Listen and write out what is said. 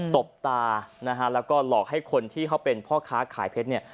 บตานะฮะแล้วก็หลอกให้คนที่เขาเป็นพ่อค้าขายเพชรเนี่ย